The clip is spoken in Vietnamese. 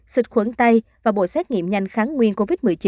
xịt khuẩn tay và bộ xét nghiệm nhanh kháng nguyên covid một mươi chín